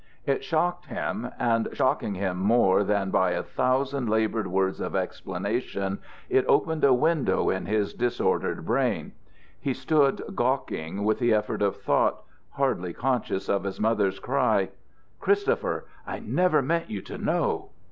It shocked him, and, shocking him more than by a thousand laboured words of explanation, it opened a window in his disordered brain. He stood gawking with the effort of thought, hardly conscious of his mother's cry: "Christopher, I never meant you to know!"